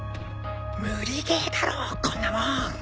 無理ゲーだろこんなもん。